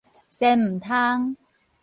仙毋通